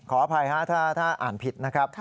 ขออภัยฮะถ้าอ่านผิดนะครับ